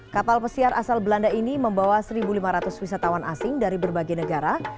kapal pesiar asal belanda ini membawa satu lima ratus wisatawan asing dari berbagai negara